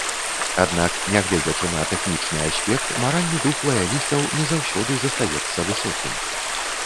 Аднак нягледзячы на тэхнічны аспект, маральны дух лаялістаў не заўсёды застаецца высокім.